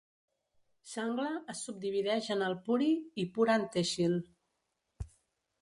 Shangla es subdivideix en Alpuri i Puran Tehsil.